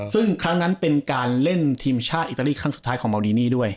ซึ่งครั้งนั้นเป็นการเล่นทีมชาติอิตาลีครั้งสุดท้ายของเมาดีนี่ด้วย